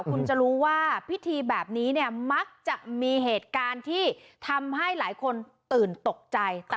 คุณจะรู้ว่าพิธีแบบนี้เนี่ยมักจะมีเหตุการณ์ที่ทำให้หลายคนตื่นตกใจ